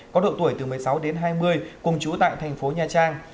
có độ tuổi từ một mươi sáu đến hai mươi cùng chú tại thành phố nha trang